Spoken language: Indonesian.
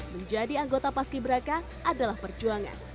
menjadi anggota pas ki braka adalah perjuangan